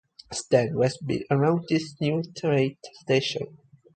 Stem was built around this new rail station.